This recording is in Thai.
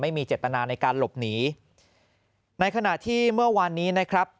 ไม่มีเจตนาในการหลบหนีในขณะที่เมื่อวานนี้นะครับ